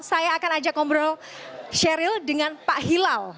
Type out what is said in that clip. saya akan ajak ngobrol sheryl dengan pak hilal